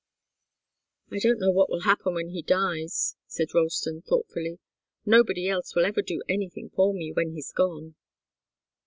"I don't know what will happen when he dies," said Ralston, thoughtfully. "Nobody else will ever do anything for me, when he's gone."